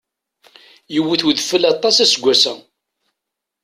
Yewwet udeffel aṭaṣ aseggas-a.